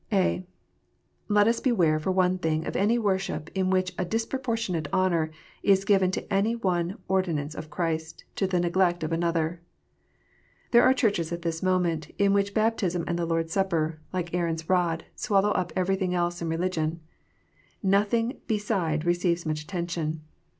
(a) Let us beware, for one thing, of any worship in which a disproportionate honour is given to any one ordinance of Christ, to the neglect of another. There are Churches at this moment, in which baptism and the Lord s Supper, like Aaron s rod, swallow up everything else in religion. Nothing beside receives much attention.